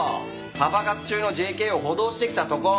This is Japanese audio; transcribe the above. パパ活中のＪＫを補導してきたとこ！